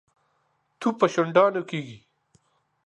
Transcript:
تو په شونډانو کېږي.